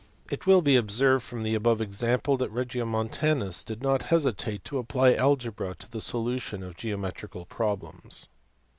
209 It will be observed from the above example that Regiomon tarius did not hesitate to apply algebra to the solution of geo metrical problems.